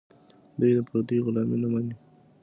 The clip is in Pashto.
دوی د پردیو غلامي نه مني.